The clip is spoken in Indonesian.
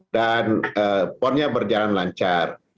dan pon nya berjalan lancar